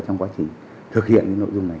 trong quá trình thực hiện những nội dung này